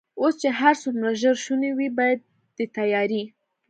اوس چې هر څومره ژر شونې وي، باید د تیارې.